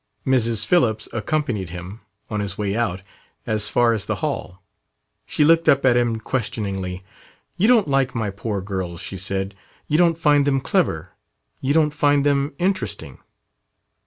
Mrs. Phillips accompanied him, on his way out, as far as the hall. She looked up at him questioningly. "You don't like my poor girls," she said. "You don't find them clever; you don't find them interesting."